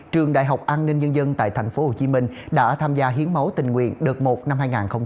trường đại học an ninh nhân dân tại tp hcm đã tham gia hiến máu tình nguyện đợt một năm hai nghìn hai mươi hai nghìn hai mươi một